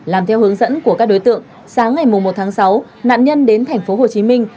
làm theo hướng dẫn của các đối tượng sáng ngày một tháng sáu nạn nhân đến thành phố hồ chí minh